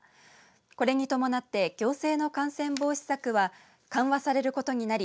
これに伴って行政の感染防止策は緩和されることになり